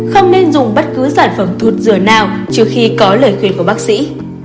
không nên dùng bất cứ sản phẩm thuốc rửa nào trước khi có lời khuyên của bác sĩ